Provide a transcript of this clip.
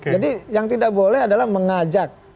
jadi yang tidak boleh adalah mengajak